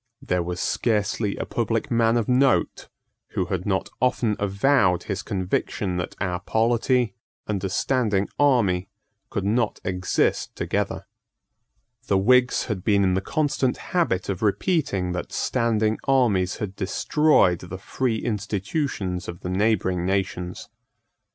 There was scarcely a public man of note who had not often avowed his conviction that our polity and a standing army could not exist together. The Whigs had been in the constant habit of repeating that standing armies had destroyed the free institutions of the neighbouring nations.